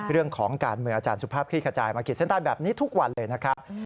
เรื่องของการเมืองอาจารย์สุภาพคลี่ขจายมาขีดเส้นใต้แบบนี้ทุกวันเลยนะครับ